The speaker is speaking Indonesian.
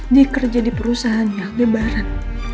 dia kerja di perusahaannya lebaran